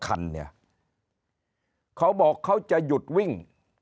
เขาบอกในช่วงสงกรานเขาจะหยุดวิ่ง